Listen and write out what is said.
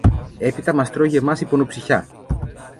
Έπειτα μας τρώγει εμάς η πονοψυχιά!